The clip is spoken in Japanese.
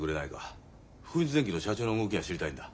福満電気の社長の動きが知りたいんだ。